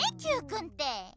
Ｑくんて。